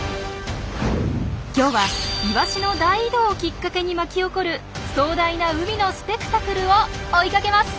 今日はイワシの大移動をきっかけに巻き起こる壮大な海のスペクタクルを追いかけます。